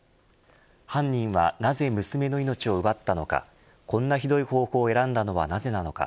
犯人はなぜ娘の命を奪ったのかこんなひどい方法を選んだのはなぜなのか。